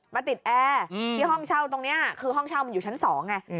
มาติดแอร์ที่ห้องเช่าตรงนี้คือห้องเช่ามันอยู่ชั้น๒ไง